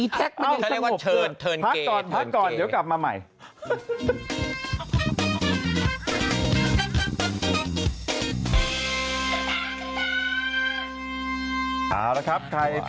อีแท็กมันยังช่างหกเกลือพักก่อนเดี๋ยวกลับมาใหม่พักก่อนเดี๋ยวกลับมาใหม่